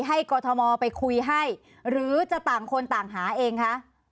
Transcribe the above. กรทมไปคุยให้หรือจะต่างคนต่างหาเองคะ